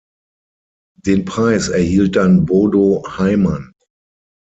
Den Preis erhielt dann Bodo Heimann.